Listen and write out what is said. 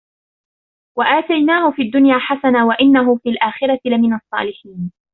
وآتيناه في الدنيا حسنة وإنه في الآخرة لمن الصالحين